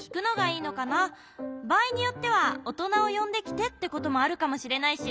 ばあいによっては「おとなをよんできて」ってこともあるかもしれないし。